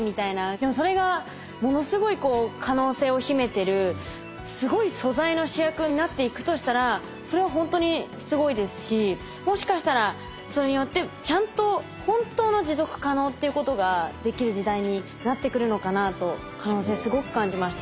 でもそれがものすごい可能性を秘めてるすごい素材の主役になっていくとしたらそれはほんとにすごいですしもしかしたらそれによってちゃんと本当の持続可能っていうことができる時代になってくるのかなと可能性すごく感じました。